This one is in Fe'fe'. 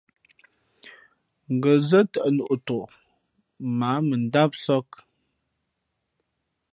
Ngα̌ zά tαʼ noʼ tok mα ǎ mʉndámsāk.